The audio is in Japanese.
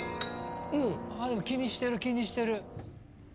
でも気にしてる気にしてる。